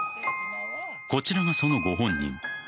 こちらがそのご本人。